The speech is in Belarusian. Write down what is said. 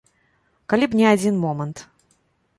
Калі б не адзін момант.